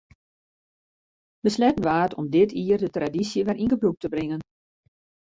Besletten waard om dit jier de tradysje wer yn gebrûk te bringen.